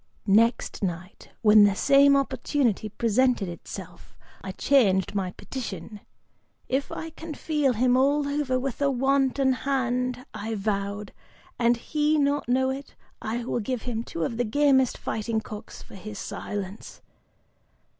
"Next night, when the same opportunity presented itself, I changed my petition, 'If I can feel him all over with a wanton hand,' I vowed, 'and he not know it, I will give him two of the gamest fighting cocks, for his silence.